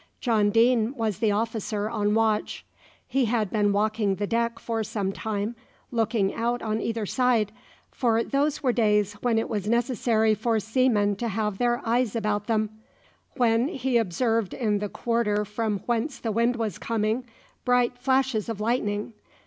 John Deane was the officer on watch. He had been walking the deck for some time, looking out on either side for those were days when it was necessary for seamen to have their eyes about them when he observed in the quarter from whence the wind was coming, bright flashes of lightning.